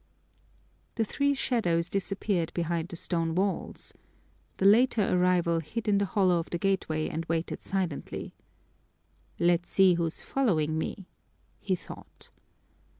The three shadows disappeared behind the stone walls. The later arrival hid in the hollow of the gateway and waited silently. "Let's see who's following me," he thought.